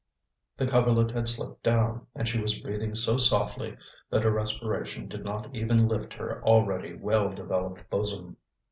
The coverlet had slipped down, and she was breathing so softly that her respiration did not even lift her already well developed bosom.